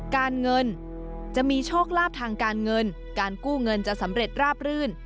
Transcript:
การเงินจะมีโชคลาภทางการเงินการกู้เงินจะสำเร็จราบรื่น